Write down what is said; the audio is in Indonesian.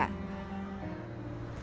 udin mengambil cacing yang berwarna merah